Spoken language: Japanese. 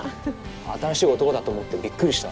新しい男だと思ってびっくりした。